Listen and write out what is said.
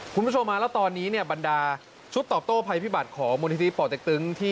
คุณผู้ชมฮะแล้วตอนนี้เนี่ยบรรดาชุดตอบโต้ภัยพิบัติของมูลนิธิป่อเต็กตึงที่